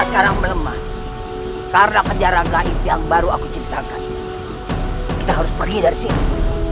karena penjara gaib yang baru aku cintakan kita harus pergi dari sini